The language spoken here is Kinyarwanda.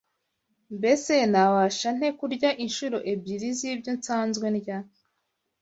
Mbese nabasha nte kurya inshuro ebyiri z’ibyo nsanzwe ndya